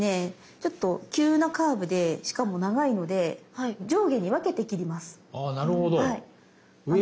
ちょっと急なカーブでしかも長いので上下に分けて切ります。